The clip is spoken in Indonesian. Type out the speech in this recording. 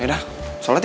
yaudah sholat ya